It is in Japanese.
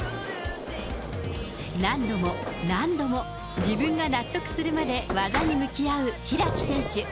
何度も何度も、自分が納得するまで技に向き合う開選手。